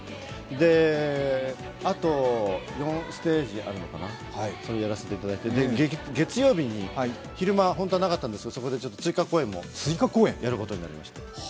あと４ステージあるのかな、やらせていただいて月曜日に昼間、本当はなかったんですけど、そこでちょっと追加公演もやることになりました。